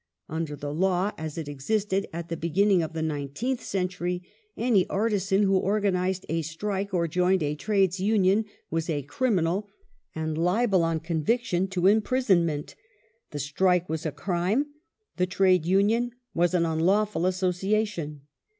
Under the law as it existed at the be ginning of the nineteenth centui y " any artisan who organized a strike or joined a Trades Union was a criminal, and liable on con viction to imprisonment ; the strike was a crime, the Trade Union was an unlawful association".